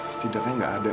setidaknya gak ada